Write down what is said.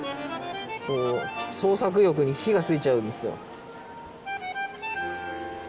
こう創作意欲に火がついちゃうんですよ